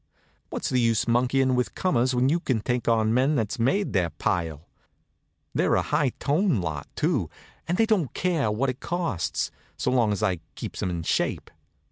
What's the use monkeyin' with comers when you can take on men that's made their pile? They're a high toned lot, too, and they don't care what it costs, so long as I keeps 'em in shape.